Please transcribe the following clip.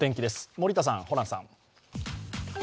森田さん、ホランさん。